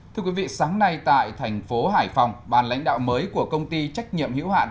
thưa quý vị sáng nay tại thành phố hải phòng bàn lãnh đạo mới của công ty trách nhiệm hữu hạn